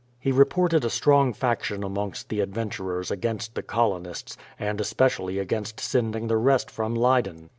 He reported a strong faction amongst the adven turers against the colonists, and especially against sending the rest from Leyden.